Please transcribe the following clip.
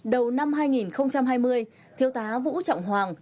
đầu năm hai nghìn hai mươi thiếu tá vũ trọng hoàng